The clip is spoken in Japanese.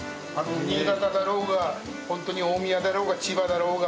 新潟だろうがホントに大宮だろうが千葉だろうが。